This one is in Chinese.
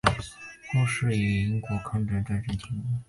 后哲生馆因抗日战争停工。